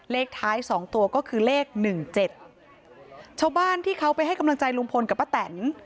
เลขท้ายสองตัวก็คือเลขหนึ่งเจ็ดชาวบ้านที่เขาไปให้กำลังใจลุงพลกับป้าแตน